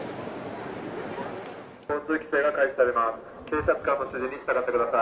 交通規制が開始されます。